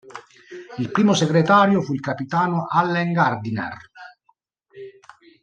Il primo segretario fu il capitano Allen Gardiner.